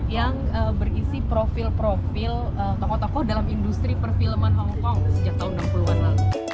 yang berisi profil profil tokoh tokoh dalam industri perfilman hongkong sejak tahun enam puluh an lalu